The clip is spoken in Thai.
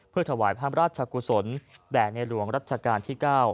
ถวายพระราชกุศลแด่ในหลวงรัชกาลที่๙